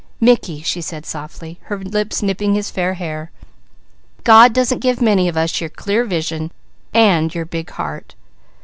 "Mickey," she said softly, her lips nipping his fair hair, "God doesn't give many of us your clear vision and your big heart.